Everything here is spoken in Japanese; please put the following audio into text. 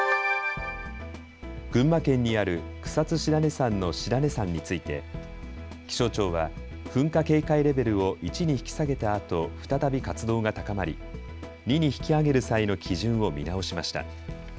群馬県にある草津白根山の白根山について気象庁は噴火警戒レベルを１に引き下げたあと、再び活動が高まり２に引き上げる際の基準を見直しました。